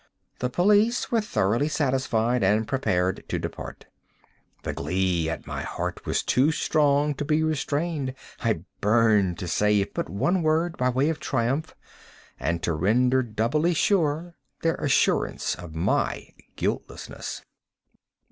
The police were thoroughly satisfied and prepared to depart. The glee at my heart was too strong to be restrained. I burned to say if but one word, by way of triumph, and to render doubly sure their assurance of my guiltlessness.